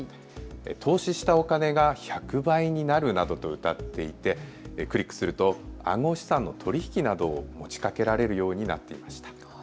投資したお金が１００倍になるなどとうたっていてクリックすると暗号資産の取り引きなどを持ちかけられるようになっていました。